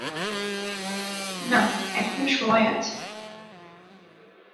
না, এখনো সময় আছে।